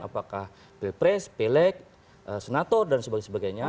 apakah pilpres pilek senator dan sebagainya